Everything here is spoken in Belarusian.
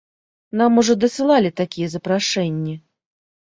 Нам ужо дасылалі такія запрашэнні.